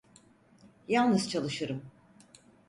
Yalnız çalışırım.